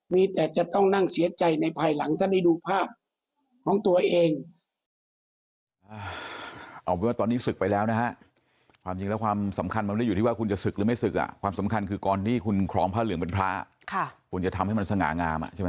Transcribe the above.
มีแต่จะต้องนั่งเสียใจในภายหลังจะได้ดูภาพของตัวเอง